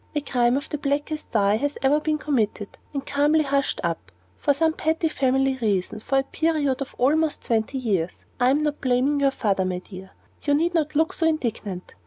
A crime of the blackest dye has been committed, and calmly hushed up, for some petty family reason, for a period of almost twenty years. I am not blaming your father, my dear; you need not look so indignant.